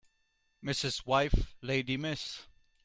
Mrs. wife lady Miss